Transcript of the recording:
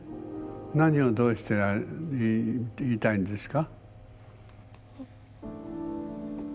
何をどうして言いたいんですか？